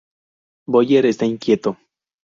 Boyer está inquieto.